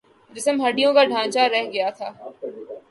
جسم ہڈیوں کا ڈھانچا رہ گیا تھا